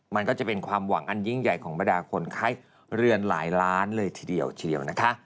มันก็จะเป็นความหวังอันยิ่งใหญ่ของบรรดาคนไข้เรือนหลายล้านเลยทีเดียวทีเดียวนะคะ